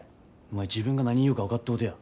お前自分が何言うか分かっとうとや。